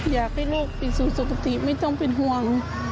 อยากให้ลูกอีกสูตรสุขติบไม่ต้องเป็นห่วง